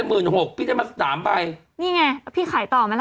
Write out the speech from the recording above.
พี่มีใบเป็น๑๖๐๐๐พี่ขดมันสามใบนี่ไงพี่ขายต่อไหมล่ะ